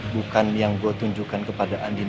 bukan yang gue tunjukkan kepada andi